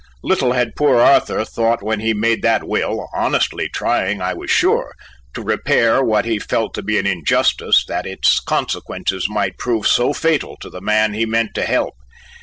Little had poor Arthur thought when he made that will, honestly trying, I was sure, to repair what he felt to be an injustice, that its consequences might prove so fatal to the man he meant to help.